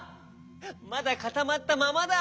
まだかたまったままだ。